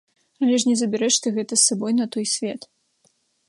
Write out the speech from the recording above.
Але ж не забярэш ты гэта з сабой на той свет!